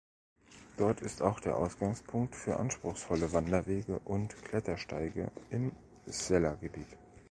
Dort ist auch der Ausgangspunkt für anspruchsvolle Wanderwege und Klettersteige im Sella-Gebiet.